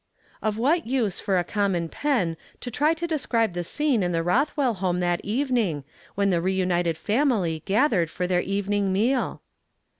Of what use for a common pen to try to de scribe the scene in the Rothwell home that even ing, when the reunited family gathered for their evening meal